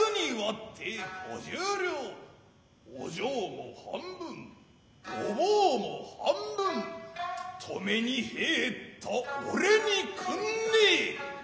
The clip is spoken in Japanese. お嬢も半分お坊も半分留めに入った己にくんねえ。